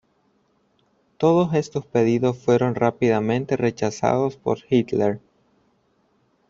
Todos estos pedidos fueron rápidamente rechazados por Hitler.